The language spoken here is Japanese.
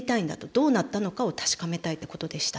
どうなったのかを確かめたいってことでした。